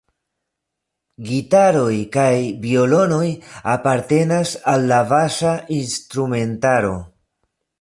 Gitaroj kaj violonoj apartenas al la baza instrumentaro.